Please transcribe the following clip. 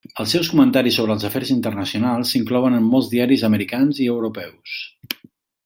Els seus comentaris sobre els afers internacionals s'inclouen en molts diaris americans i europeus.